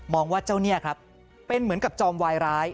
ว่าเจ้าเนี่ยครับเป็นเหมือนกับจอมวายร้าย